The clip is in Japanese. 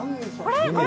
これ？